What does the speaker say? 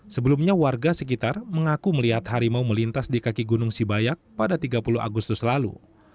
sebelumnya warga sekitar mengaku melihat harimau melintas di kaki gunung sibayak pada tiga puluh agustus lalu